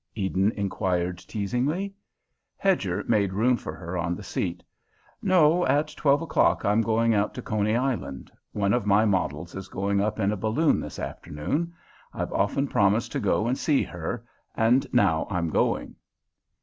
Eden enquired teasingly. Hedger made room for her on the seat. "No, at twelve o'clock I'm going out to Coney Island. One of my models is going up in a balloon this afternoon. I've often promised to go and see her, and now I'm going."